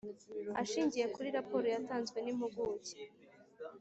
Ashingiye kuri raporo yatanzwe n impuguke